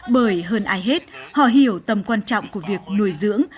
bởi hơn ai hết họ hiểu tầm quan trọng của việc nuôi dưỡng